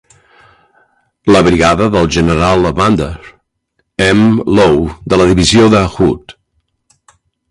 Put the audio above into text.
La brigada del general Evander M. Law de la divisió de Hood.